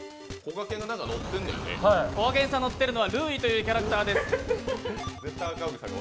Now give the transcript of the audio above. こがけさんが乗っているのはルーイというキャラクターです。